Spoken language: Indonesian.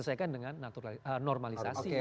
diselesaikan dengan normalisasi